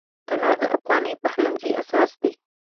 تنور د افغاني پخلنځي اساس دی